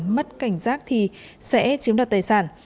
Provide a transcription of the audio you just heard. mất cảnh giác thì sẽ chiếm đặt tài sản